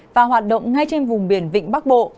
và hoạt động ngay trên vùng biển vịnh bắc bộ